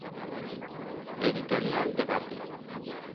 Editorial Debate